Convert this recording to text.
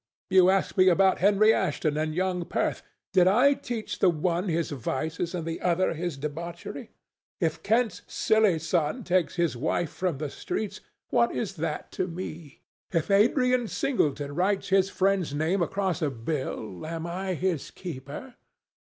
You ask me about Henry Ashton and young Perth. Did I teach the one his vices, and the other his debauchery? If Kent's silly son takes his wife from the streets, what is that to me? If Adrian Singleton writes his friend's name across a bill, am I his keeper?